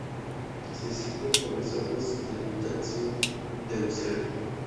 Se distribuyen por las aguas de la mitad sur de Australia.